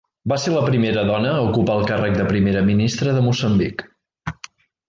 Va ser la primera dona a ocupar el càrrec de Primera Ministra de Moçambic.